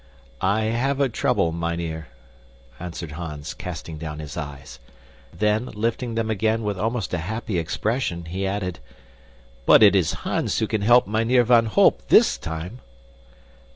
"I have a trouble, mynheer," answered Hans, casting down his eyes. Then, lifting them again with almost a happy expression, he added, "But it is Hans who can help Mynheer van Holp THIS time."